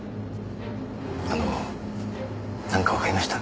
あのなんかわかりました？